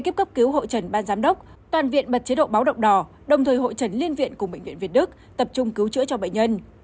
tập trung cứu chữa cho bệnh nhân